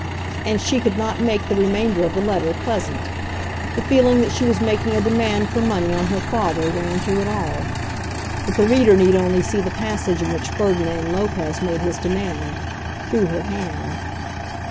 And she could not make the remainder of the letter pleasant. The feeling that she was making a demand for money on her father ran through it all. But the reader need only see the passage in which Ferdinand Lopez made his demand, through her hand.